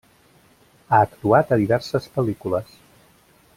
Ha actuat a diverses pel·lícules.